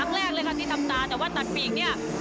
แรกเลยค่ะที่ทำตาแต่ว่าตัดปีกเนี่ย